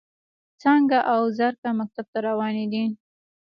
څانګه او زرکه مکتب ته روانې دي.